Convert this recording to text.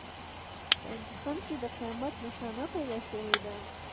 په هندوستان کې د قیامت نښانه پیدا شوې ده.